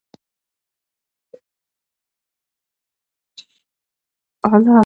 ماشومانو په ډنډ کې لوبې کولې نو مرغۍ اوبه ونه څښلې.